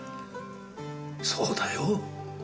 そうだよ。